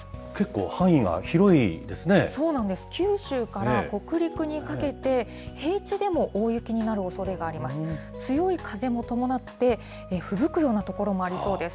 九州から北陸にかけて、平地でも大雪になるおそれがあります。